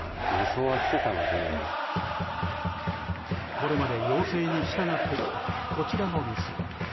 これまで要請に従ってきたこちらの店。